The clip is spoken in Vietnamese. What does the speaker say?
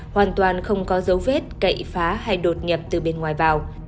hoàn toàn không có dấu vết cậy phá hay đột nhập từ bên ngoài vào